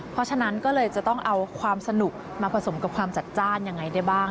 เพราะฉะนั้นก็เลยจะต้องเอาความสนุกมาผสมกับความจัดจ้านยังไงได้บ้าง